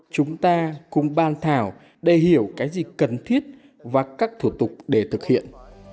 chúng ta cùng ban thảo để hiểu cái gì cần thiết và các thủ tục để thực hiện